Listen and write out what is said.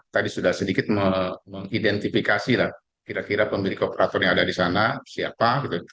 tadi sudah sedikit mengidentifikasi lah kira kira pemilik operator yang ada di sana siapa